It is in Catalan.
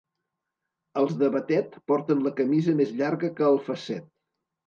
Els de Batet porten la camisa més llarga que el fasset.